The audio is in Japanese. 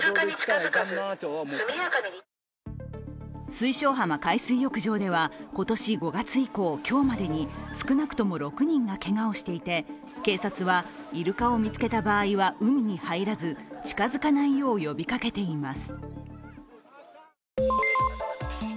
水晶浜海水浴場では今年５月以降今日までに少なくとも６人がけがをしていて警察はイルカを見つけた場合は海に入らず近づかないよう呼びかけています。